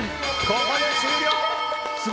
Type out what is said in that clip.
ここで終了！